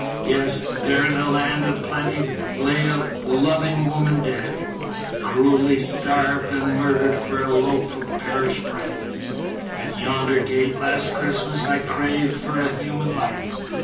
"Yes, there, in a land of plenty, Lay a loving woman dead, Cruelly starved and murdered For a loaf of the parish bread. At yonder gate, last Christmas, I craved for a human life.